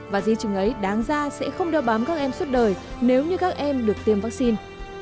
và di chứng ấy đáng ra sẽ không đeo bám các em suốt đời nếu như các em được tiêm vaccine